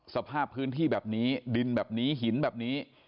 สภาพพื้นที่แบบนี้ดินแบบนี้หินแบบนี้